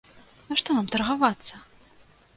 А што нам таргавацца?